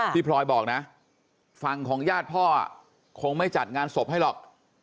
พลอยบอกนะฝั่งของญาติพ่อคงไม่จัดงานศพให้หรอก